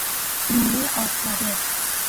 لولۀ آفتابه